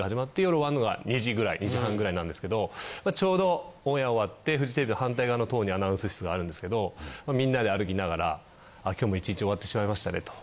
２時半ぐらいなんですけどちょうどオンエア終わってフジテレビの反対側の棟にアナウンス室があるんですけどみんなで歩きながら「今日も１日終わってしまいましたね」と。